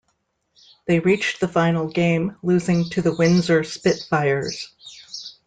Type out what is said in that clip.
They reached the final game, losing to the Windsor Spitfires.